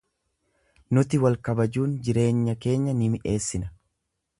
Nuti wal-kabajuun jireenya keenya ni mi'eessina.